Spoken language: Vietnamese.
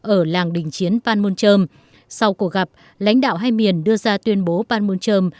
ở làng đình chiến panmunjom sau cuộc gặp lãnh đạo hai miền đưa ra tuyên bố panmunjom